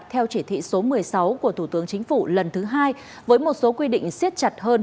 theo chỉ thị số một mươi sáu của thủ tướng chính phủ lần thứ hai với một số quy định siết chặt hơn